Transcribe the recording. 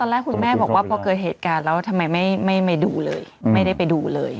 แรกคุณแม่บอกว่าพอเกิดเหตุการณ์แล้วทำไมไม่ดูเลยไม่ได้ไปดูเลย